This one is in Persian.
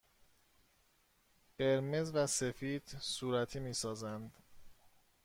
قرمز و سفید صورتی می سازند.